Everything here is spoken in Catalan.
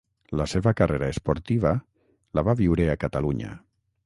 La seva carrera esportiva la va viure a Catalunya.